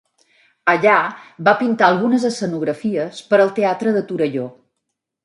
Allà va pintar algunes escenografies per al teatre de Torelló.